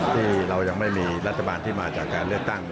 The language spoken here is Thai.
ที่เรายังไม่มีรัฐบาลที่มาจากการเลือกตั้ง